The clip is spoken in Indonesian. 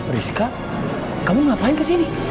rizka kamu ngapain kesini